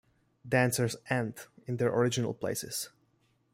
Dancers end in their original places.